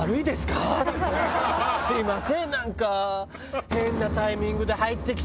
「すみませんなんか」。